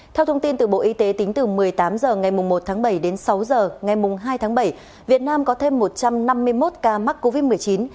theo thông tin từ bộ y tế tính từ một mươi tám h ngày một sáu h ngày hai bảy việt nam có thêm một trăm năm mươi một ca mắc covid một mươi chín